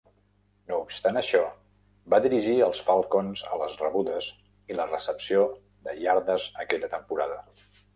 No obstant això, va dirigir els Falcons a les rebudes i les recepció de iardes aquella temporada.